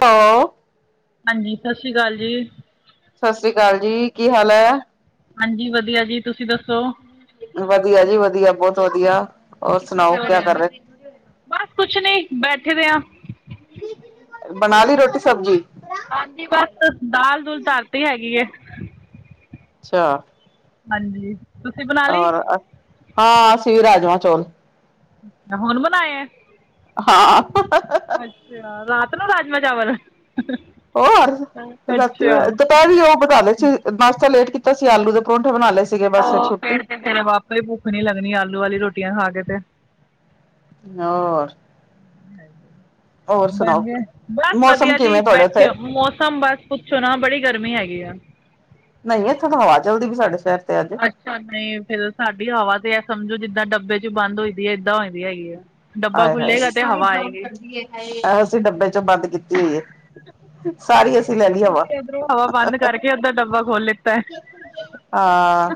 ਸੌ। ਹਾਂਜੀ, ਸਸ੍ਰੀ ਕਾਲ ਜੀ। ਸਸ੍ਰੀ ਕਾਲ ਜੀ, ਕੀ ਹਾਲ ਐ? ਹਾਂਜੀ, ਵਦੀਆ ਜੀ। ਤੁਸੀਂ ਦੱਸੋ? ਵਦੀਆ ਜੀ ਵਦੀਆ, ਬੋਤ ਵਦੀਆ। ਕੀ ਹੋ ਰਿਐ? ਬਸ ਕੁਛ ਨੀ, ਬੈਠੇ ਦੇ ਆ। ਬਨਾ ਲਈ ਰੋਟੀ ਸਬਜ਼ੀ? ਹਾਂਜੀ, ਬਸ ਦਾਲ -ਦੂਲ ਧਰਤੀ ਹੈਗੀ ਏ। ਚਾਅ। ਹਾਂਜੀ। ਤੁਸੀਂ ਬਣਾ ਲਈ ਔਰ ਅਹ, ਹਾਂ ਅਸੀਂ ਵੀ ਰਾਜਮਾ- ਚੌਲ। ਨਾ ਹੁਨ ਬਨਾਏ ਐ। ਹਾਂ। ਅੱਛਾ, ਰਾਤ ਨੂੰ ਰਾਜਮਾ- ਚਾਵਲ। ਹੋਰ, ਰਾਤੀ ਅੱਛਾ ਬਨਾਏ ਦੁਪਇਰੀ ਓ? ਪਕਾ ਲਏ ਸੀ, ਨਾਸ਼ਤਾ ਲੇਟ ਕੀਤਾ ਸੀ, ਆਲੂ ਦੇ ਪਰੋਂਂਠੇ ਬਨਾ ਲਏ ਸੀ। ਔਹ, ਫੇਰ 'ਤੇ ਫਿਰ ਆਪੇ ਭੁੱਖ ਨੀ ਲੱਗਨੀ ਆਲੂ-ਆਲੀ ਰੋਟੀਆਂ ਖਾ ਕੇ 'ਤੇ। ਹੋਰ। ਹੈਲੋ, ਹੋਰ ਬਨ ਸੁਣਾਓ? ਗਏ, ਬਸ ਮੌਸਮ ਵਦੀਆ ਜੀ, ਕਿਵੇਂ ਤੁਹਾਡੇ ਬੈਠੇ ਉੱਥੇ? ਆ ਮੌਸਮ ਬਸ ਕੁਛ ਚਨਾਂ ਬੜੀ ਗਰਮੀ ਹੈਗੀ ਐ। ਨਈਂ, ਇੱਥੇ ਤਾਂ ਹਵਾ ਚਲਦੀ ਪਈ ਏ ਸਾਡੇ ਸਿਰ ਤੇ ਅੱਜ। ਅੱਛਾ, ਨਈ ਫੇਰ ਸਾਡੀ ਹਵਾ ਤੇ ਐਹ ਸਮਝੋ, ਜਿੱਦਾਂ ਡੱਬੇ 'ਚ ਬੰਦ ਹੋਈ ਦੀ ਏ ਏਦਾਂ ਹੋਈ ਦੀ ਹੈਗੀ ਏ। ਡੱਬਾ ਆਏ ਖੁੱਲੇਗਾ, 'ਤੇ ਹਵਾ ਆਏਗੀ। ਹਾਏ! ਐਸੇ ਡੱਬੇ 'ਚ ਬੰਦ ਕੀਤੀ ਹੋਈ ਏ ਸਾਰੀ ਅਸੀਂ ਲੈ ਲਈ ਹਵਾ। ਇੱਧਰੋਂ ਹਵਾ ਬੰਦ ਕਰਕੇ ਉੱਧਰ ਡੱਬਾ ਖੋਲ੍ਹ ਲਿੱਤਾ ਹੈ। ਆਹ।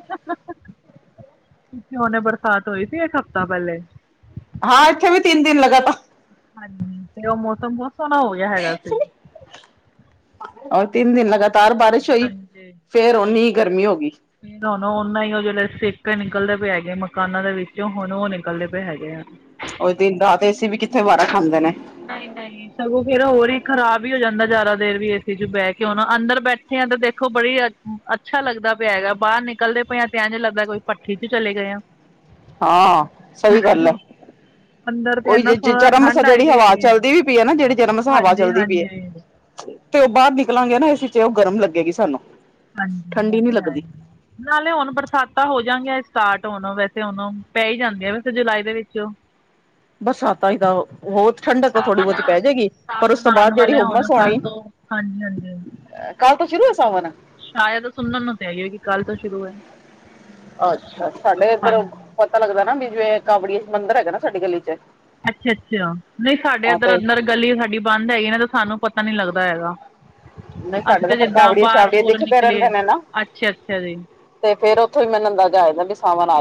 ਪਿੱਛੇ ਹੁਨੇ ਬਰਸਾਤ ਹੋਈ ਸੀ ਇੱਕ ਹਫ਼ਤਾ ਪੈਲੇ। ਹਾਂ, ਇੱਥੇ ਵੀ ਤਿੰਨ ਦਿਨ ਲਗਾਤਾਰ। ਹਾਂਜੀ,, 'ਤੇ ਉਹ ਮੌਸਮ ਬੋਤ ਸੋਹਨਾ ਹੋ ਗਿਆ ਹੈਗਾ ਸੀ। ਅੱਜ ਤਿੰਨ ਦਿਨ ਲਗਾਤਾਰ ਬਾਰਿਸ਼ ਹੋਈ, ਹਾਂਜੀ ਫੇਰ ਓਨੀ ਈ ਗਰਮੀ ਹੋ ਗਈ। ਨਾ-ਨਾ ਹੁਨ ਉਹ ਜੇੜੇ ਸੇਕੇ ਨਿਕਲਦੇ ਪਏ ਹੈਗੇ, ਮਕਾਨਾਂ ਦੇ ਵਿੱਚੋ ਹੁਨ ਉਹ ਨਿਕਲਦੇ ਪਏ ਹੈਗੇ ਆ। ਉਹ ਦੇਂਦਾ 'ਤੇ ਅਸੀ ਵੀ ਕਿੱਥੇ ਵਾਰਾ ਖਾਂਦੇ ਨੇ? ਨਹੀਂ- ਨਹੀਂ। ਸਗੋਂ ਫੇਰ ਹੋਰ ਈ ਖ਼ਰਾਬ ਹੀ ਹੋ ਜਾਂਦਾ ਜ਼ਿਆਦਾ ਦੇਰ ਵੀ ਏ ਸੀ ਚ ਬਹਿ ਕੇ ਹੁਣ ਅੰਦਰ ਬੈਠੇ ਆ ਤੇ ਦੇਖੋ ਬੜੀ ਅ- ਅੱਛਾ ਲੱਗਦਾ ਪਿਆ ਹੈਗਾ ਬਾਹਰ ਨਿਕਲਦੇ ਪਏ ਆ ਤੇ ਇਂਜ ਲਗਦਾ ਕੋਈ ਭੱਠੀ ਚ ਚਲੇ ਗਏ ਆ। ਹਾਂ ਸਹੀ ਗੱਲ ਹੈ, ਅੰਦਰ ਤਾਂ ਉਹੀ ਇੰਨਾ ਜੇ- ਜੇ ਸੋਹਣਾ ਜਰਾ ਮਸਾ ਠੰਡ ਆਈ ਜਿਹੜੀ ਦੀ ਹਵਾ ਹੈਗੀ ਚੱਲਦੀ ਵੀ ਪਈ ਹੈ ਨਾ ਜਿਹੜੀ ਜਰਾਮਸਾ ਹਵਾ ਹਾਂਜੀ ਚੱਲਦੀ ਪਈ ਹਾਂਜੀ ਐ। ਤੇ ਉ ਬਾਹਰ ਨਿਕਲਾਂਗੇ ਨਾ ਏ ਸੀ ਚ ਉਹ ਗਰਮ ਲੱਗੇਗੀ ਸਾਨੂੰ। ਹਾਂਜੀ ਐ ਠੰਡੀ ਨੀ ਤੇ ਹੈ ਲੱਗਦੀ ਈ। ਨਾਲੇ ਹੁਣ ਬਰਸਾਤਾਂ ਹੋ ਜਾਂਣਗੀਆਂ ਸਟਾਰਟ ਹੁਣ ਵੈਸੇ ਹੁਣ ਪੈ ਹੀ ਜਾਂਦੀ ਆ ਵੈਸੇ ਜੁਲਾਈ ਦੇ ਵਿੱਚ। [inaudible] ਬਰਸਾਤਾਂ ਹੀ ਤਾਂ ਬਹੋਤ ਠੰਡਕ ਤਾਂ ਥੋੜੀ ਬਹੁਤੀ ਪੈ ਜਾਏਗੀ ਪਰ ਉਸ ਸਾਵਣ ਤੋਂ ਆਉਣ ਬਾਅਦ ਜਿਹੜੀ ਵਾਲੇ ਹੁਣ ਹੋਮਸ ਕੱਲ੍ਹ ਹੋਣੀ। ਤੋਂ ਹਾਂਜੀ- ਹਾਂਜੀ। ਕੱਲ ਤੋਂ ਸ਼ੁਰੂ ਆ ਸਵਨ। ਸ਼ਾਇਦ ਸੁਣਨ ਨੂੰ ਤਾਂ ਐ ਹੀ ਹੈ ਕਿ ਕੱਲ ਤੋਂ ਸ਼ੁਰੂ ਹੈ। ਅੱਛਾ ਸਾਡੇ ਇੱਧਰ ਹਾਂਜੀ ਪਤਾ ਲੱਗਦਾ ਨਾ ਵੀ ਜਿਵੇਂ ਕਾਵੜੀ ਮੰਦਰ ਹੈਗਾ ਨਾ ਸਾਡੀ ਗਲੀ ਚ ਅੱਛਾ- ਅੱਛਾ ਨਹੀਂ ਸਾਡੇ ਆ ਇੱਧਰ ਤੇ ਅੰਦਰ ਗਲੀ ਸਾਡੀ ਬੰਦ ਹੈਗੀ ਨੇ ਤਾਂ ਸਾਨੂੰ ਪਤਾ ਨੀ ਲੱਗਦਾ ਹੈਗਾ। ਨਹੀਂ ਅਸੀਂ ਸਾਡੇ ਤਾਂ ਫਿਰ ਜਿੱਦਾਂ ਕਾਵੜੀਏ ਬਾਰ- ਸ਼ਾਵੜੀਏ ਬੂਰ ਦਿਖਦੇ ਨਿਕਲੇ ਰਹਿੰਦੇ ਨੇ ਨਾ ਅੱਛਾ- ਅੱਛਾ ਜੀ। ਤੇ ਫੇਰ ਉੱਥੋਂ ਹੀ ਮੈਂ ਨੰਦਾ ਜਾ ਆ ਜਾਂਦਾ ਸੀ।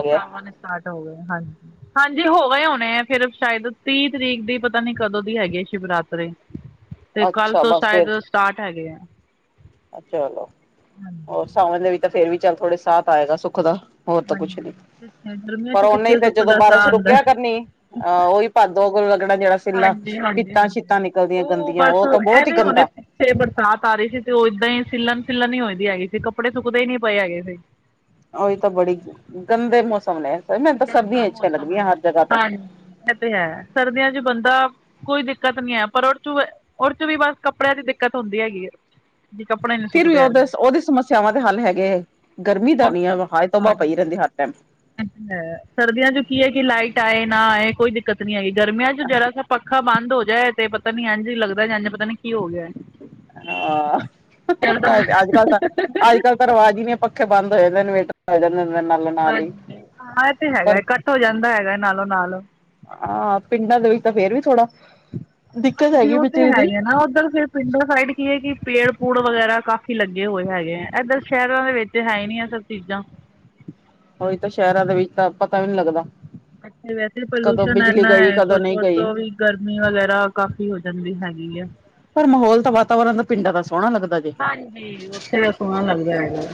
ਸਾਵਨ ਸਟਾਰਟ ਹੋ ਗਏ, ਹਾਂਜੀ। ਹਾਂਜੀ ਹੋ ਗਏ ਹੋਣੇ ਆ ਫੇਰ ਸ਼ਾਇਦ ਤੀਹ ਤਰੀਕ ਦੀ ਪਤਾ ਨੀ ਕਦੋਂ ਦੀ ਹੈਗੀ ਸ਼ਿਵਰਾਤਰੀ। ਤੇ ਕੱਲ ਅੱਛਾ ਤੋਂ ਬਸ ਫਿਰ ਸ਼ਾਇਦ ਸਟਾਰਟ ਹੈਗੇ ਐ। ਚਲੋ ਹੋਰ ਸਾਵਣ ਦੇ ਵੀ ਤਾਂ ਫੇਰ ਵੀ ਚੱਲ ਥੋੜੇ ਸਾਂ ਤ ਆਏਗਾ ਸੁੱਖ ਦਾ। ਹੋਰ ਤਾਂ ਕੁਛ ਹਾਂਜੀ ਨੀ, ਕਿੱਥੇ ਗਰਮੀਆਂ ਪਰ 'ਚ ਉਹਨੇ ਕਿੱਥੇ ਫੇਰ ਸੁੱਖ ਜਦੋਂ ਦਾ ਸਾਹ ਬਾਰਿਸ਼ ਆਉਂਦਾ ਰੁਕਿਆ ਕਰਨੀ ਅਹ ਉਹੀ ਭਾਦੋ ਲੱਗਣਾ ਜਿਹੜਾ ਸਿੱਲਾ ਪਿੱਤਾਂ- ਸ਼ਿਤਾਂ ਨਿਕਲਦੀਆਂ ਗੰਦੀਆਂ ਬਸ ਉਹ ਤਾਂ ਬੋਤ ਹੀ ਐਵੇਂ ਹੁਣੇ ਗੰਦਾ। ਬਰਸਾਤ ਆ ਰਹੀ ਸੀ ਤੇ ਉਹ ਏਦਾਂ ਹੀ ਸਿੱਲਣ- ਸਿਲਣ ਹੀ ਹੋ ਈ ਦੀ ਹੈਗੀ ਸੀ ਕੱਪੜੇ ਸੁੱਕਦੇ ਹੀ ਨਹੀਂ ਪਏ ਹੈਗੇ ਸੀ। ਉਹੀ ਤਾਂ ਬੜੀ ਗੰਦੇ ਮੌਸਮ ਲੈ ਮੈਨੂੰ ਤਾਂ ਸਰਦੀਆਂ ਅੱਛੀਆਂ ਲੱਗਦੀਆਂ ਹਰ ਜਗਾ ਤੋਂ। ਐ ਤੇ ਹੈ ਸਰਦੀਆਂ ਚ ਬੰਦਾ ਕੋਈ ਦਿੱਕਤ ਨੀ ਹੈ ਪਰ ਉਹ ਚੂ ਏ ਉਹ ਚ ਵੀ ਬਸ ਕੱਪੜਿਆਂ ਦੀ ਦਿੱਕਤ ਹੁੰਦੀ ਹੈਗੀ ਹੈ। ਜੀ ਕੱਪੜੇ ਨੀ ਫੇਰ ਵੀ ਸੁੱਕਦੇ ਹੈਗੇ ਉਹਦੇ ਹੈ ਉਹਦੀ ਸਮੱਸਿਆਵਾਂ ਦੇ ਹੱਲ ਹੈਗੇ, ਗਰਮੀ ਦਾ ਨੀ ਹੈਗਾ ਹਾਏ ਤੋਬਾਹ ਪਈ ਰਹਿੰਦੀ ਆ। ਹਾ ਮ। ਐ ਕੀ ਏ ਸਰਦੀਆਂ ਚ ਕੀ ਹੈ ਕਿ ਲਾਈਟ ਆਏ ਨਾ ਆਏ ਕੋਈ ਦਿੱਕਤ ਨੀ ਹੈਗੀ ਗਰਮੀਆਂ ਚ ਜਰਾ ਸਾ ਪ ਅੱਖਾ ਬੰਦ ਹੋ ਜਾਏ ਤੇ ਪਤਾ ਨੀ ਅੰਝ ਲੱਗਦਾ ਇੰਝ ਪਤਾ ਨੀ ਕੀ ਹੋ ਗਿਆ। ਹਾਂ ਅੱਜ ਕੱਲ ਤਾਂ ਅੱਜ ਕੱਲ ਰਵਾਜ਼ ਹੀ ਨਹੀਂ ਪੱਖੇ ਬੰਦ ਹੋ ਜਾਂਦੇ ਨੇ ਇਨਵੇਟਰ ਚਲ ਜਾਂਦੇ ਨਾਲ। ਹੀ ਹਾਂਜੀ ਹਾਂ ਇਹ ਤੇ ਹੈਗਾ ਪਰ ਇਕੱਠ ਹੋ ਜਾਂਦਾ ਹੈਗਾ ਨਾਲੋਂ ਨਾਲ। ਹਾਂ ਪਿੰਡਾਂ ਦੇ ਵਿੱਚ ਤਾਂ ਫੇਰ ਵੀ ਥੋੜਾ ਦਿੱਕਤ ਹਾਂਜੀ ਹੈਗੀ ਉਹ ਤੇ ਬਿਜਲੀ ਹੈ ਦੀ ਹੀ ਹੈ ਨਾ ਉੱਧਰ ਫੇਰ ਪਿੰਡੋ ਸਾਈਡ ਕੀ ਹੈ ਕਿ ਪੇੜ- ਪੂੜ ਵਗੈਰਾ ਕਾਫ਼ੀ ਲੱਗੇ ਹੋਏ ਹੈਗੇ ਹੈ ਇੱਧਰ ਸ਼ਹਿਰਾਂ ਦੇ ਵਿੱਚ ਹੈ ਨੀ ਇਧਰ। ਚੀਜ਼ਾਂ ਉਹੀ ਤਾਂ ਸ਼ਹਿਰਾਂ ਦੇ ਵਿੱਚ ਤਾਂ ਪਤਾ ਈ ਨੀ ਲੱਗਦਾ। ਅੱਛਾ ਵੈਸੇ ਕਦੋਂ ਪੋਲਿਊਸ਼ਨ ਬਿਜਲੀ ਇਨਾ ਗਈ ਹੈ ਕਦੋਂ ਕੁਛ ਨਹੀਂ ਹੋਰ ਗਈ ਤੋਂ ਵੀ ਗਰਮੀ ਵਗੈਰਾ ਕਾਫ਼ੀ ਹੋ ਜਾਂਦੀ ਹੈਗੀ ਹੈ। ਪਰ ਮਾਹੌਲ ਤਾਂ ਵਾਤਾਵਰਨ ਪਿੰਡ ਦਾ ਸੋਹਣਾ ਲੱਗਦਾ ਈ। ਹਾਂਜੀ, ਉੱਥੇ ਦਾ ਸੋਹਣਾ ਲੱਗਦਾ ਹੈਗਾ?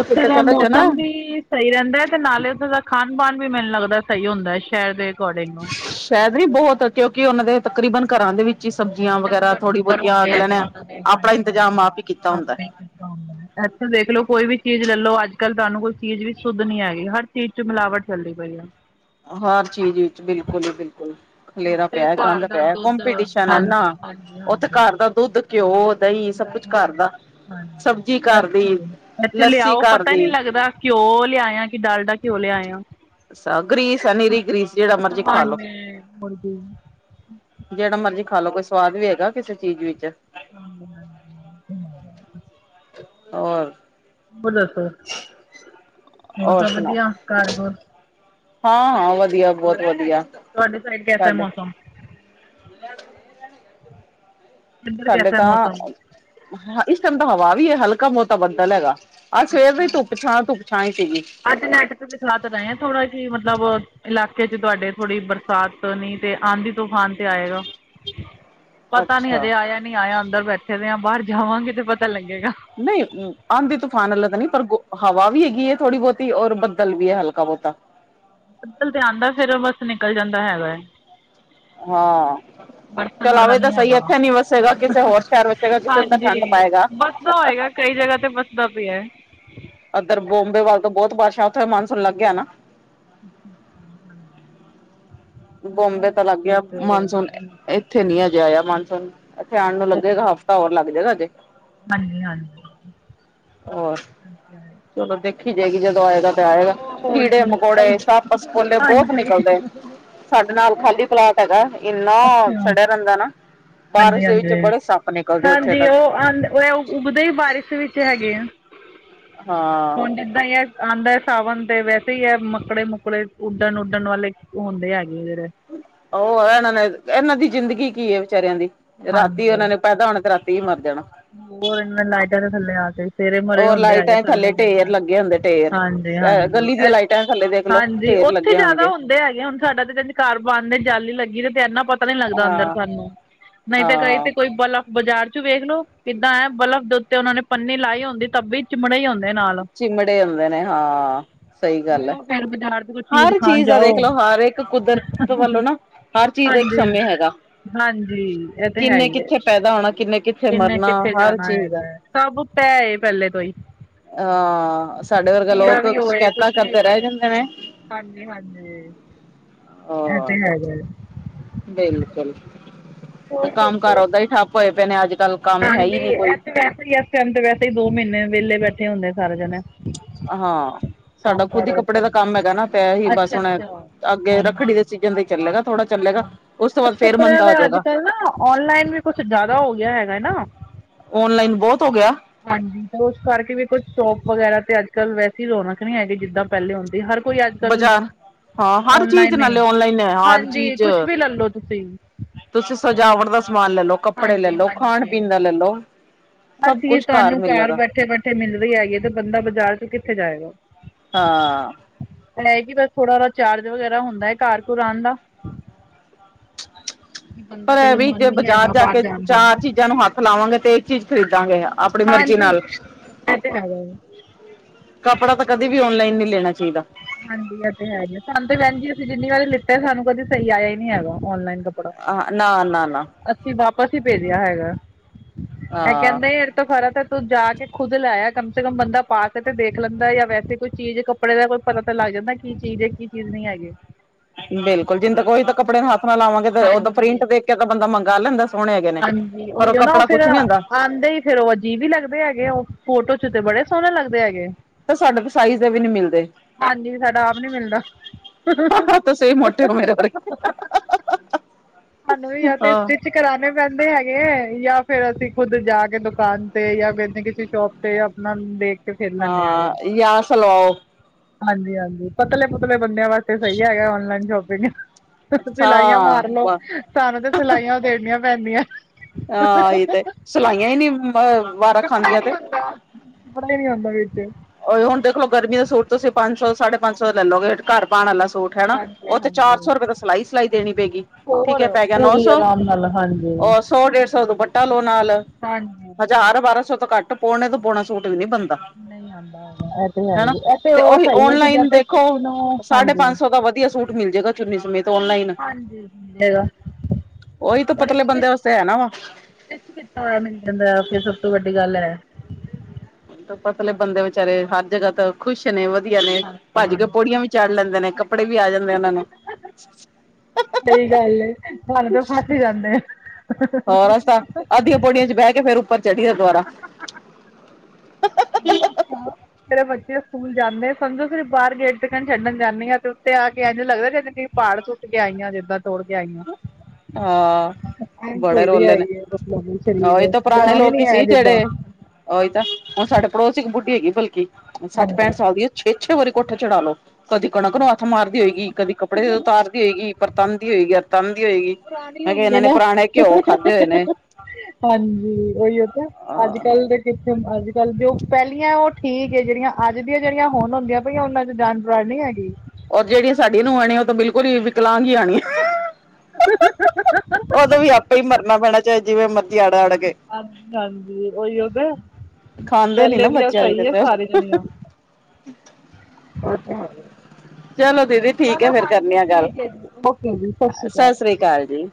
ਉੱਥੇ ਦਾ ਚਲੇ ਜਾ ਮੌਸਮ ਨਾ ਵੀ ਸਹੀ ਰਹਿੰਦਾ ਤੇ ਨਾਲੇ ਉੱਥੇ ਦਾ ਖਾਣ-ਪਾਣ ਵੀ ਮੈਨੂੰ ਲੱਗਦਾ ਸਹੀ ਹੁੰਦਾ ਹੈ? ਸ਼ਹਿਰ ਦੇ ਅਕੋਡਿੰਗ ਨੂੰ। ਸ਼ਾਇਦ ਨੀ ਬਹੋਤ ਓਕੇ- ਓਕੇ ਆ ਮਤਲਬ ਤਕਰੀਬਨ ਘਰਾਂ ਦੇ ਵਿੱਚ। ਕੀ ਸਬਜ਼ੀਆਂ ਵਗੈਰਾ, ਥੋੜੀ ਬਹੁਤੀਆਂ, ਅਗਲਿਆਂ ਨੇ ਆਪਣਾ ਹਾਂਜੀ ਇੰਤਜ਼ਾਮ ਹਾਂਜੀ ਆਪ ਹੀ ਕੀਤਾ ਹੁੰਦਾ ਹੈ। ਆਪੇ ਹੁੰਦਾ ਹੈ। ਇੱਥੇ ਦੇਖ ਲੋ ਕੋਈ ਵੀ ਚੀਜ਼ ਲੈਲੋ। ਅੱਜ ਕੱਲ ਤੁਹਾਨੂੰ ਕੋਈ ਚੀਜ਼ ਵੀ ਸੁੱਧ ਨੀ ਹੈਗੀ ਹਰ ਚੀਜ਼ ਚ ਮਿਲਾਵਟ ਚੱਲਦੀ ਪਈ ਆ। ਹਰ ਚੀਜ਼ ਵਿੱਚ ਬਿਲਕੁਲ ਹੀ ਬਿਲਕੁਲ ਖਲੇੇਰਾ ਪਿਆ, ਗੰਦ ਪਿਆ ਕੰਪੀਟੀਸ਼ਨ ਹੈ ਨਾ ਉੱਥੇ ਘਰ ਦਾ ਦੁੱਧ ਘਿਓ, ਦਹੀਂ ਸਭ ਕੁਛ ਘਰ ਦਾ। ਸਬਜ਼ੀ ਹਾਂ ਘਰ ਦੀ ਇੱਥੇ, ਲੱਸੀ ਲਿਆਓ ਘਰ ਪਤਾ ਹੀ ਦੀ ਨੀ ਲੱਗਦਾ? ਘਿਓ, ਲਿਆਇਆ। ਕਿ ਡਾਲਡਾ ਘਿਓ ਲਿਆਏ ਓ ਅੱਛਾ ਆ ਗਰੀਸ ਆ ਨਿਰੀ ਗਰੀਸ ਜਿਹੜਾ ਮਰਜ਼ੀ ਖਾਲੋ ਮੁਰਗੀ ਜਿਹੜਾ ਮਰਜ਼ੀ ਖਾ ਲੋ ਕੋਈ ਸਵਾਦ ਵੀ ਹੈਗਾ। ਕਿਸੇ ਚੀਜ਼ ਵਿੱਚ ਹਹ [unintelligible] ਹੋਰ ਹੋਰ ਦੱਸੋ, ਹੋਰ ਤਾਂ ਵਧੀਆ ਘਰ ਘੁਰ ਹਾਂ- ਹਾਂ ਵਧੀਆ ਬਹੁਤ ਵਧੀਆ। ਤੁਹਾਡੇ ਘਰੇ ਕੈਸਾ ਏ ਸਾਡੇ ਮੌਸਮ? [unintelligible] ਇੱਧਰ ਸਾਡੇ ਕੈਸਾ ਹੈ ਮੌਸਮ ਤਾਂ, ਇਸ ਟਾਈਮ ਤਾਂ ਹਵਾ ਵੀ ਹੈ। ਹਲਕਾ ਬੋਤਾ ਬੱਦਲ ਹੈਗਾ। ਆਹ ਸਵੇਰ ਵੀ ਧੁੱਪ ਛਾਂ ਧੁੱਪ ਛਾਂ ਹੀ ਸੀਗੀ ਅੱਜ ਨੈੱਟ ਦਿਖਲਾ ਤਾਂ ਰਏ ਆ ਥੋੜਾ ਜੀ ਮਤਲਬ ਇਲਾਕੇ ਚ ਤੁਹਾਡੇ ਥੋੜ੍ਹੀ ਬਰਸਾਤ ਨੀ ਤੇ ਆਂਦੀ ਤੂਫਾਨ ਤੇ ਆਏਗਾ? ਪਤਾ ਨੀ, ਅੱਛਾ ਹਜੇ ਆਇਆ ਨਹੀਂ ਆਇਆ ਅੰਦਰ ਬੈਠੇ ਦੇ ਆ ਰਹੇ ਆ ਬਾਹਰ ਜਾਵਾਂਗੇ ਤੇ ਪਤਾ ਲੱਗੇਗਾ। ਨਹੀਂ ਆਂਦੀ ਤੂਫਾਨ ਅਲੱਗ ਨੀ ਪਰ ਗੋ ਹਵਾ ਵੀ ਹੈਗੀ ਹੈ ਥੋੜ੍ਹੀ ਬਹੁਤੀ ਔਰ ਬੱਦਲ ਵੀ ਹੈ ਹਲਕਾ ਬਹੁਤਾ ਬੱਦਲ ਤੇ ਆਂਦਾ। ਫੇਰ ਉਹ ਬਸ ਨਿਕਲ ਜਾਂਦਾ ਹੈ ਵੇ। ਹਾਂ ਚਲ, ਆਵੇ ਤਾਂ ਸਹੀ। ਇੱਥੇ ਨੀ ਵਸੇਗਾ ਕਿਸੇ ਹੋਰ ਸ਼ਹਿਰ ਵਸੇਗਾ ਕਿਸੇ ਨੂੰ ਤੇ ਠੰਡ ਪਏਗਾ। ਬਸਦਾ ਹੋਏਗਾ ਕਈ ਜਗ੍ਹਾ ਤੇ ਬਸਦਾ ਪਿਆ। ਉਧਰ ਬੋਂਮਬੇ ਵੱਲ ਤਾਂ ਬਹੁਤ ਬਾਰਸ਼ਾ ਉੱਥੇ ਮਾਨਸੂਨ ਲੱਗ ਗਿਆ ਨਾ। [unintelligible] ਬੋਬੇ ਤਾਂ ਲੱਗ ਗਿਆ। ਮਾਨਸੂਨ ਇੱਥੇ ਨੀ, ਅਜੇ ਆਇਆ ਮਾਨਸੂਨ। ਇੱਥੇ ਆਉਣ ਨੂੰ ਲੱਗੇਗਾ। ਹਫ਼ਤਾ ਔਰ ਲੱਗ ਜਾਏਗਾ ਅਜੇ। ਹਾਂਜੀ ਹਾਂਜੀ ਔਰ ਚਲੋ ਦੇਖੀ ਜਾਏਗੀ ਜਦੋਂ ਆਏਗਾ ਹੋਰ ਕੀੜੇ ਕੀ -ਮਕੌੜੇ ਸੱਪ ਸਪੋਲੇ ਬਹੁਤ ਹਾਂਜੀ ਨਿਕਲ਼ਦੇ ਨੇ। ਸਾਡੇ ਨਾਲ ਖਾਲੀ ਪਲਾਟ ਹੈਗਾ ਇੰਨਾ ਅੱਛਾ ਸੜਿਆ ਰਹਿੰਦਾ ਨਾ। ਹਾਂਜੀ ਬਾਰਿਸ਼ ਦੇ ਵਿੱਚ ਹਾਂਜੀ ਬੜੇ ਸੱਪ ਨਿਕਲਦੇ ਉੱਥੇ ਹਾਂਜੀ ਤੱਕ ਉਹ ਆਂਦੇ ਉ ਉਗਦੇ ਹੀ ਬਾਰਿਸ਼ ਵਿੱਚ ਹੈਗੇ ਆ। ਹਾਂ ਹੁਣ ਜਿੱਦਾਂ ਇਹ ਹੈ ਆਉਂਦਾ ਸਾਵਣ ਤੇ ਵੈਸੇ ਹੀ ਇਹ ਮੱਕੜੇ ਮੁੱਕੜੇ ਉੱਡਣ-ਉੱਡਣ ਵਾਲੇ। ਹੁੰਦੇ ਹੈਗੇ ਆ ਫਿਰ ਉਹ ਇਹਨਾਂ ਨੇ ਇਹਨਾਂ ਦੀ ਜ਼ਿੰਦਗੀ ਕੀ ਹੈ ਵਿਚਾਰਿਆਂ ਦੀ ਰਾਤੀ ਹਾਂਜੀ ਉਹਨਾ ਨੇ ਪੈਦਾ ਹੋਣਾ, ਤੇ ਰਾਤੀ ਹੀ ਮਰ ਜਾਣਾ। ਹੋਰ ਇਨਾਂ ਲਾਈਟਾਂ ਦੇ ਥੱਲੇ ਆ ਕੇ ਸਵੇਰੇ ਮਰੇ ਉਹ ਹੁੰਦੇ ਹੇਗੇ ਲਾਈਟਾਂ ਥੱਲੇ ਢੇਰ ਕਿੱਦਾਂ ਲੱਗੇ ਹੁੰਦੇ ਢੇਰ ਹਾਂਜੀ- ਹਾਂਜੀ। ਗਲੀ ਦੀਆਂ ਲਾਈਟਾਂ ਥੱਲੇ ਦੇਖਲੋ ਹਾਂਜੀ ਢੇਰ ਉੱਥੇ ਲੱਗੇ ਜ਼ਿਆਦਾ ਹੋਣਗੇ ਹੁੰਦੇ ਹੈਗੇ ਹੁਣ ਸਾਡਾ ਤੇ ਜਿੱਦਾਂ ਘਰ ਬੰਦ ਜਾਲੀ ਹੀ ਲੱਗੀ ਤੇ ਇੰਨਾ ਪਤਾ ਨੀ ਲੱਗਦਾ ਅੰਦਰ ਹਾਂ ਸਾਨੂੰ ਨਹੀਂ ਤੇ ਕਈ ਤੇ ਹਾਂ ਕੋਈ ਬਲਬ ਬਾਜ਼ਾਰ 'ਚ ਵੇਖਲੋ, ਕਿੱਦਾਂ ਹੈ ਬਲਫ਼ ਦੇ ਉੱਤੇ ਉਹਨਾਂ ਨੇ ਪੰਨੀ ਲਾਈ ਹੁੰਦੀ ਤਬੀ ਚਿਮੜੇ ਆਉਂਦੇ ਨੇ ਹਾਂ। ਸਹੀ ਗੱਲ ਐ, ਉਹ ਫੇਰ ਬਾਜ਼ਾਰ ਚ ਕੁਛ ਹਰ ਖਾਣ ਚੀਜ਼ ਆ ਦਾ ਦੇਖ ਜਾਓ ਲੋ ਹਰ ਇੱਕ ਕੁਦਰਤ ਵੱਲੋਂ ਨਾ ਹਰ ਚੀਜ਼ ਦਾ ਇੱਕ ਹਾਂਜੀ ਸਮੇਂ ਹੈਗਾ। ਹਾਂਜੀ ਐ ਕਿੰਨੇ ਕਿੱਥੇ ਪੈਦਾ ਹੋਣਾ ਕਿੰਨੇ ਕਿੱਥੇ ਮਰਨਾ ਕਿੱਥੇ ਹਰ ਜਾਣਾ ਚੀਜ਼ ਹੈਗਾ ਐ। ਹੈ, ਸਭ ਪੈ ਐ ਪਹਿਲੇ ਤੋਂ ਹੀ। ਹਾਂ ਸਾਡੇ ਵਰਗਾ ਲੋਕ ਸ਼ਿਕਾਇਤਾਂ ਕਰਦੇ ਰਹਿ ਜਾਂਦੇ ਨੇ। ਹਾਂਜੀ-ਹਾਂਜੀ, ਇਦਾ ਅ ਹੀ ਹੈਗਾ ਏ। ਬਿਲਕੁਲ, ਤੇ ਕੰਮ ਕਾਰ ਓਦਾਂ ਹੀ ਠੱਪ ਹੋਏ ਪਏ ਨੇ ਅੱਜਕੱਲ। ਹਾਂਜੀ ਇਥੇ ਵੈਸੇ ਹੀ ਇਸ ਟੈਮ ਤੇ ਵੈਸੇ ਹੀ ਦੋ ਮਹੀਨੇ ਵਿਹਲੇ ਬੈਠੇ ਹੁੰਦੇ ਸਾਰੇ ਜਾਣੇ। ਹਾਂ, ਸਾਡਾ ਖੁੱਦ ਹੀ ਕੱਪੜੇ ਦਾ ਕੰਮ ਹੈਗਾ ਨਾ ਪੈ ਹੀ ਬਸ ਹੁਣ, ਅੱਗੇ ਰੱਖੜੀ ਦੇ ਸੀਜ਼ਨ ਦਾ ਹੀ ਚੱਲੇਗਾ। ਥੋੜਾ ਚੱਲੇਗਾ ਉਸ ਤੋਂ ਕੁਛ ਬਾਅਦ ਫੇਰ ਕੱਪੜਿਆਂ ਮੰਦਾ ਦਾ ਹੋ ਜਾਏਗਾ ਅੱਜਕੱਲ ਨਾ ਔਨਲਾਈਨ ਵੀ ਕੁਛ ਜ਼ਿਆਦਾ ਹੋ ਗਿਆ ਹੈਗਾ ਨਾ। ਔਨਲਾਈਨ ਬਹੁਤ ਹੋ ਗਿਆ। ਹਾਂਜੀ ਤੇ ਉਸ ਕਰਕੇ ਵੀ ਕੁਛ ਸ਼ੋਪ ਵਗੈਰਾ ਤੇ ਅੱਜਕੱਲ ਵੈਸੇ ਰੌਣਕ ਨੀ ਹੈਗੀ ਜਿੱਦਾਂ ਪਹਿਲੇ ਹੁੰਦੀ ਹਰ ਕੋਈ ਅੱਜਕੱਲ, ਬਾਜ਼ਾਰ ਹਾਂ ਹਰ ਚੀਜ਼ ਓਨਲਾਈਨ ਨੇ, ਨਾਲੇ ਔਨਲਾਈਨ ਹੈ ਹਰ ਹਾਂਜੀ ਚੀਜ਼ ਕੁਛ ਵੀ ਲੈ ਲੋ ਤੁਸੀਂ। ਤੁਸੀਂ ਸਜਾਵਟ ਦਾ ਸਮਾਨ ਲੈ ਲੋ, ਕੱਪੜੇ ਲੈ ਲੋ, ਖਾਣ ਪੀਣ ਦਾ ਸਮਾਨ ਲੈ ਲੋ। ਹਰ ਚੀਜ਼ ਤੁਹਾਨੂੰ ਘਰ ਬੈਠੇ-ਬੈਠੇ ਮਿਲ ਰਹੀ ਹੈਗੀ ਤੇ ਬੰਦਾ ਬਾਜ਼ਾਰ 'ਚ ਕਿੱਥੇ ਜਾਏਗਾ। ਹਾਂ। ਐ ਕੀ ਬਸ ਥੋੜਾ ਉਦਾ ਚਾਰਜ ਵਗੈਰਾ ਹੁੰਦਾ ਏ ਘਰ-ਘੂਰ ਆਣ ਦਾ। ਬੰਦਾ ਪਰ ਇਹ ਚਲੋ ਵੀ ਮਨ ਜੇ ਨੀ ਬਾਜ਼ਾਰ ਹੈਗਾ ਜਾ ਬਾਹਰ ਕੇ ਜਾਣ ਦਾ ਚਾਰ ਚੀਜ਼ਾਂ ਨੂੰ ਹੱਥ ਲਾਵਾਂਗੇ ਤੇ ਇੱਕ ਚੀਜ਼ ਖਰੀਦਾਂਗੇ ਆਪਣੀ ਮਰਜ਼ੀ ਨਾਲ। ਇਹ ਤੇ ਹੈਗਾ ਹੈ ਕੱਪੜਾ ਤਾਂ ਕਦੇ ਵੀ ਔਨਲਾਈਨ ਨੀ ਲੈਣਾ ਚਾਹੀਦਾ। ਹਾਂਜੀ ਐ ਤੇ ਹੈ ਈ ਏ ਸਾਨੂੰ ਤੇ ਬੈਣ ਜੀ ਅਸੀਂ ਜਿੰਨੀ ਵਾਰੀ ਲਿੱਤੇ ਸਾਨੂੰ ਕਦੇ ਸਹੀ ਆਇਆ ਹੀ ਨੀ ਹੈਗਾ ਓਨਲਾਈਨ ਕੱਪੜਾ। ਆ ਨਾ ਨਾ ਨਾ। ਅਸੀਂ ਵਾਪਸ ਹੀ ਭੇਜਿਆ ਹੈਗਾ। ਇਹ ਹਾਂ ਕਹਿੰਦੇ ਇਸ ਤੋਂ ਖਰਾ ਤਾਂ ਤੂੰ ਜਾ ਕੇ ਖੁਦ ਲੈ ਆ ਕਮ ਸੇ ਕਮ ਬੰਦਾ ਪਾ ਕੇ ਤੇ ਦੇਖ ਲੈਂਦਾ ਜਾਂ ਵੇਸੈ ਕੋਈ ਚੀਜ਼ ਕੱਪੜੇ ਦਾ ਕੋਈ ਪਤਾ ਤਾਂ ਲੱਗ ਜਾਂਦਾ ਕੀ ਚੀਜ਼ ਹੈ, ਕੀ ਚੀਜ਼ ਨਹੀਂ ਹੈਗੀ। ਬਿਲਕੁਲ ਜਿੰਦ ਕੋਈ ਤਾਂ ਕੱਪੜੇ ਨੂੰ ਹੱਥ ਲਵਾਂਗੇ ਤੇ ਉਦੋਂ ਪ੍ਰਿੰਟ ਦੇਖ ਕੇ ਤਾਂ ਬੰਦਾ ਮੰਗਾ ਲੈਂਦਾ। ਸੋਹਣੇ ਹੈਗੇ ਨੇ ਹਾਜੀ ਪਰ ਉਹੀਓ ਨਾ ਉਹ ਕੱਪੜਾ ਫਿਰ ਕੁਛ ਨੀ ਹੁੰਦਾ ਆਂਦੇ ਈ ਫੇਰ ਉਹ ਅਜੀਬ ਵੀ ਲੱਗਦੇ ਹੈਗੇ ਉਹ ਫੋਟੋ 'ਚ ਤੇ ਬੜੇ ਸੋਹਣੇ ਲੱਗਦੇ ਹੈਗੇ। ਤਾਂ ਸਾਡੇ ਕੋ ਸਾਈਜ਼ ਦੇ ਵੀ ਨਹੀਂ ਮਿਲਦੇ। ਹਾਂਜੀ ਸਾਡਾ ਆਪ ਨੀ ਮਿਲਦਾ। ਸਾਨੂੰ ਵੀ ਆ ਤੇ ਸਟਿਚ ਕਰਾਣੇ ਪੈਂਦੇ ਹੈਗੇ ਹੈ ਜਾ ਫ਼ਿਰ ਅਸੀਂ ਖੁਦ ਜਾ ਕੇ ਦੁਕਾਨ ਤੇ ਜਾਂ ਫਿਰ ਕਿਸੇ ਨਾ ਕਿਸੇ ਸ਼ੋਪ ਤੇ ਤੇ ਆਪਣਾ ਦੇ ਹਾਂ ਜਾਂ ਆ ਸਲਵਾਓ। ਹਾਂਜੀ-ਹਾਂਜੀ ਪਤਲੇ-ਪੁਤਲੇ ਬੰਦਿਆਂ ਵਾਸਤੇ ਸਹੀ ਹੈਗਾ ਔਨਲਾਈਨ ਸ਼ੋਪਿੰਗ। ਸਿਲਾਈਆਂ ਮਾਰ ਲੋੋ, ਸਾਨੂੰ ਤੇ ਸਿਲਾਈਆਂ ਉਦੇੜਨੀਆ ਪੈਂਦੀਆਂ। ਹਾਂ ਇਹ ਤੇ, ਸਲਾਈਆਂ ਹੀ ਨੀ ਅ ਵਾਰਾਂ ਖਾਂਦੀਆਂ ਤੇ। ਕੱਪੜਾ ਨੀ ਆਉਂਦਾ ਵਿੱਚ। ਓਹੀ ਹੁਣ ਦੇਖਲੋ ਗਰਮੀ ਸੂਟ ਤੁਸੀਂ ਪੰਜ ਸੌ ਸਾਢੇ ਪੰਜ ਸੌ ਲੈ ਲਓਗੇ ਘਰ ਪਾਣ ਵਾਲਾ ਸੂਟ। ਹਨਾ ਹਾਂਜੀ ਉਹ ਤੇ ਚਾਰ ਹਾਂਜੀ ਸੌ ਰੁਪਏ ਤਾਂ ਸਿਲਾਈ-ਸਿਲਾਈ ਦੇਣੀ ਪਏਗੀ। ਠੀਕ ਹੋਰ ਏ ਪੈ ਗਿਆ ਨੌ ਪੂਰੀ ਸੌ, ਆਰਾਮ ਨਾਲ ਹਾਂਜੀ ਅ ਸੌ ਡੇਢ ਸੌ ਦਾ ਦੁਪੱਟਾ ਲਓ ਨਾਲ। ਹਜਾਰ ਬਾਰਾਂ ਸੌ ਤੋਂ ਘੱਟ ਪਾਉਣੇ ਤੋਂ ਪੌਣਾ ਸੂਟ ਵੀ ਨੀ ਬਣਦਾ। ਨਹੀ ਆਂਦਾ ਹੈਗਾ ਹਨਾ ਤੇ ਉਹੀ ਔਨਲਾਈਨ ਦੇਖੋ, ਕਿਸੇ ਨੂੰ ਸਾਢੇ ਹਾਂਜੀ ਪੰਜ ਸੌ ਦਾ ਵਧੀਆ ਸੂਟ ਮਿਲ ਜੇਗਾ ਚੁੰਨੀ ਸਮੇਤ ਔਨਲਾਈਨ, ਹਾਂਜੀ ਮਿਲੇਗਾ ਓਹੀ ਤਾਂ ਪਤਲੇ ਬੰਦੇ ਵਾਸਤੇ ਹੈ ਨਾ ਵਾ ਤਾਂ ਮਿਲ ਜਾਂਦਾ ਫਿਰ ਸਭ ਤੋਂ ਵੱਡੀ ਗੱਲ ਹੈ। ਪਤਲੇ ਬੰਦੇ ਵਿਚਾਰੇ ਹਰ ਜਗ੍ਹਾ ਤਾਂ ਖੁਸ਼ ਨੇ ਵਧੀਆ ਨੇ ਭੱਜ ਕੇ ਪੌੜੀਆਂ ਵੀ ਚੜ ਲੈਂਦੇ ਨੇ, ਕੱਪੜੇ ਵੀ ਆ ਜਾਂਦੇ ਉਹਨਾਂ ਨੂੰ। ਸਹੀ ਗੱਲ ਆ ਸਾਨੂੰ ਤਾਂ ਫਸ ਹੀ ਜਾਂਦੇ ਆ। ਹੋਰ ਅਸੀਂ ਤਾਂ ਅੱਧੀਆਂ ਪੌੜੀਆਂ ਚ ਬਹਿ ਕੇ ਫੇਰ ਉੱਪਰ ਚੜ੍ਹੀ ਦਾ ਦੁਬਾਰਾ ਹਣ [unintelligible] ਮੇਰੇ ਬੱਚੇ ਸਕੂਲ ਜਾਂਦੇ ਸਮਝੋ ਫਿਰ ਬਾਹਰ ਗੇਟ ਦੇ ਕਹਿਣ ਛੱਡਣ ਜਾਂਦੀ ਆਂ ਤੇ ਉੱਤੇ ਆ ਕੇ ਇੰਝ ਲੱਗਦਾ ਕਿ ਕਈ ਪਹਾੜ ਉੱਠ ਕੇ ਆਈਆ, ਜਿੱਦਾਂ ਤੋੜ ਕੇ ਆਈਆ। ਹਾਂ, ਬੜੇ ਰੋਲੇ ਆਈ ਨੇ, ਹੈ ਮਤਲਬ ਸਰੀਰ ਉਹੀ ਤਾਂ ਪੁਰਾਣੇ ਜਾਨ ਲੋਕ ਨੀ ਹੀ ਹੈ ਸੀ ਜਿੱਦਾਂ ਜਿਹੜੇ ਉਹੀ ਤਾਂ ਸਾਡੇ ਪੜੋਸੀ ਇੱਕ ਬੁੱਢੀ ਹੈਗੀ ਬਲਕਿ ਸੱਠ ਹਾਂਜੀ ਪੈਂਹਟ ਸਾਲ ਦੀ ਛੇ-ਛੇ ਵਾਰੀ ਕੋਠੇ ਚੜਾ ਲੋ, ਕਦੀ ਕਣਕ ਨੂੰ ਹੱਥ ਮਾਰਦੀ ਹੋਏਗੀ ਕਦੀ ਕੱਪੜੇ ਤਾਰਦੀ ਹੋਏਗੀ, ਬਰਤਾਦੀ ਹੋਏਗੀ, ਤਨਦੀ ਹੋਏਗੀ। ਪੁਰਾਣੀ ਮੈਂ ਕਿਹਾ ਹੋਣੀ ਹੈ ਇਹਨਾਂ ਨੇ ਨਾ ਪੁਰਾਣੇ ਘਿਓ ਖਾਧੇ ਹੋਏ ਨੇ ਹਾਂਜੀ, ਉਹੀਓ ਤਾਂ ਅਹ ਅੱਜ-ਕੱਲ ਦੇ ਕਿੱਥੇ ਅੱਜ-ਕੱਲ ਜੋ ਪਹਿਲੀਆਂ ਉਹ ਠੀਕ ਏ ਜਿਹੜੀਆ ਅੱਜ ਦੀਆਂ ਜਿਹੜੀਆ ਹੁਣ ਹੁੰਦੀਆ ਪਈਆ ਉਹਨਾਂ ਚ ਜਾਣ, ਪੁਰਣੀ ਹੈਗੀ। ਔਰ ਜਿਹੜੀਆਂ ਸਾਡੀਆਂ ਨੂੰਹਾਂ ਆਉਣੀਆਂ ਉਹ ਤਾਂ ਬਿਲਕੁਲ ਹੀ ਵਿਕਲਾਂਗ ਹੀ ਆਉਣੀਆ। [unintelligible] ਉਦੋਂ ਵੀ ਆਪੇ ਹੀ ਮਰਨਾ ਪੈਣਾ ਚਾਹੇ ਜਿਵੇਂ ਮਰਜ਼ੀ ਅੜ ਅੜ ਕੇ ਹਾਂਜੀ-ਹਾਂਜੀ, ਓਹੀਓ ਦੇ। ਖਾਂਦੇ ਨੀ ਨਾ ਬੱਚੇ ਅੱਜ-ਕੱਲ ਦੇ। ਜਣੀਆਂ ਚਲੋ ਦੀਦੀ, ਠੀਕ ਹੈ ਫੇਰ ਕਰਨੀ ਆ ਗੱਲ, ਸਤਿ ਸ਼੍ਰੀ ਅਕਾਲ ਜੀ।